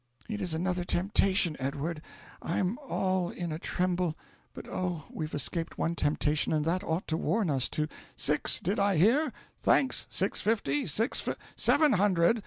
"It is another temptation, Edward I'm all in a tremble but, oh, we've escaped one temptation, and that ought to warn us, to ("Six did I hear? thanks! six fifty, six f SEVEN hundred!")